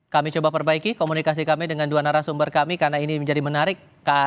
kami coba perbaiki komunikasi kami dengan dua narasumber kami karena ini menjadi menarik